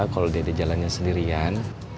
kalau dede jalannya sendirian